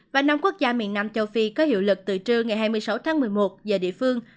và năm quốc gia miền nam châu phi có hiệu lực từ trưa ngày hai mươi sáu tháng một mươi một giờ địa phương